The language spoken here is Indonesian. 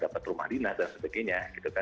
dapat rumah dinas dan sebagainya